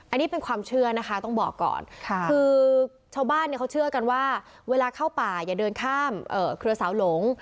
อันนี้เป็นความเชื่อนะคะต้องบอกก่อนคือชาวบ้านเนี่ยเขาเชื่อกันว่าเวลาเข้าป่าอย่าเดินข้ามเครือสาวหลง